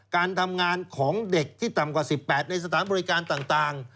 การทำงานของเด็กที่ต่ำกว่า๑๘ในสถานบริการต่าง